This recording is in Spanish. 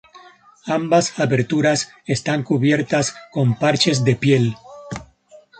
Ambas aberturas están cubiertas con parches de piel.